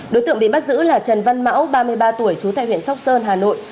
đối tượng bị bắt giữ là trần văn mão ba mươi ba tuổi trú tại huyện sóc sơn hà nội